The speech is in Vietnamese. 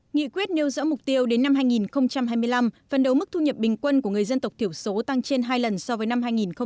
nghị quyết nêu rõ mục tiêu đến năm hai nghìn hai mươi năm phần đấu mức thu nhập bình quân của người dân tộc thiểu số tăng trên hai lần so với năm hai nghìn hai mươi